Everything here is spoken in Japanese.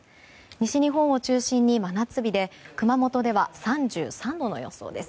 西日本を中心に真夏日で熊本では３３度の予想です。